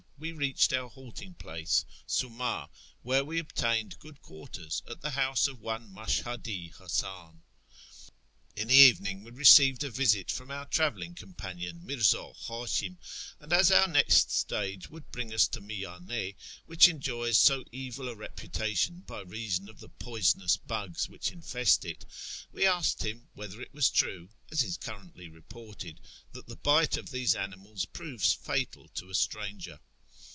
we reached our halting place, Suma, wdiere we obtained good quarters at the house of one Mashhadi Hasan. In the evening we received a \dsit from our travelling companion, Mirza Ilashim ; and as our next stage would bring us to ]\Iiyaue, which enjoys so evil a reputation by reason of the poisonous bugs which infest it, we asked him whether it was true, as is currently reported, that the bite of these animals proves fatal to a stranger.